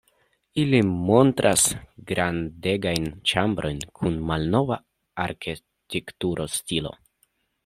Ili montras grandegajn ĉambrojn kun malnova arkitektura stilo.